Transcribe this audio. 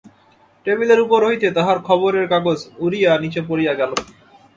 টেবিলের উপর হইতে তাহার খবরের কাগজ উড়িয়া নীচে পড়িয়া গেল।